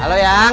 belum bisa bang